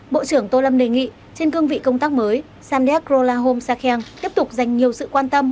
bộ trưởng tô lâm đề nghị trên cương vị công tác mới samdeck rolahom sakeng tiếp tục dành nhiều sự quan tâm